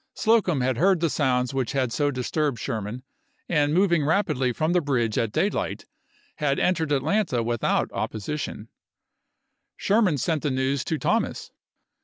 Slocum had heard the sounds which had so disturbed Sherman, and moving rapidly from the bridge at daylight had entered Atlanta without opposition GENERAL JOHN A. LOGAN. ATLANTA 289 Sherman sent the news to Thomas.